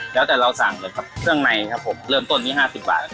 แล้วแต่เราสั่งเลยครับเครื่องในครับผมเริ่มต้นที่๕๐บาท